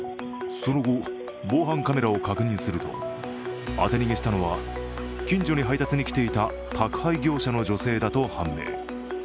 その後、防犯カメラを確認すると、当て逃げしたのは近所に配達に来ていた宅配業者の女性だと判明。